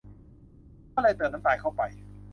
ก็เลยเติมน้ำตาลเข้าไป